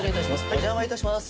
お邪魔致します。